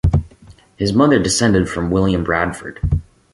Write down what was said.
His mother descended from William Bradford.